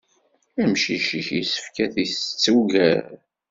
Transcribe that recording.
Amcic-ik yessefk ad isett ugar.